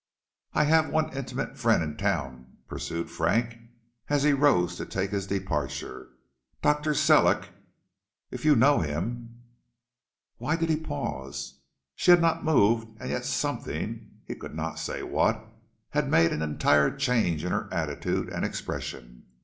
"I have one intimate friend in town," pursued Frank, as he rose to take his departure, "Dr. Sellick. If you know him " Why did he pause? She had not moved and yet something, he could not say what, had made an entire change in her attitude and expression.